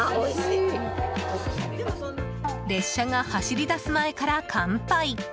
列車が走り出す前から乾杯！